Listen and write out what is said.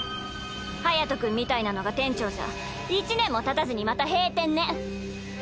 隼君みたいなのが店長じゃ１年もたたずにまた閉店ね。